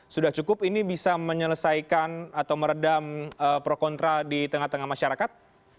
sudah cukup ini bisa menyelesaikan atau meredam pro kontra di tengah tengah masyarakat